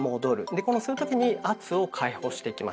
でこの吸う時に圧を解放していきましょう。